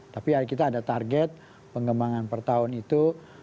tapi kita ada target pengembangan per tahun itu